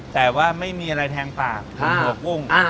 แต่ว่าไม่มีอะไรแทงปากหัวกุ้ง